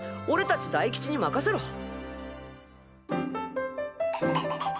おれたち大吉に任せろ。